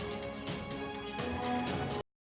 berita terkini mengenai cuaca ekstrem dua ribu dua puluh satu di jokowi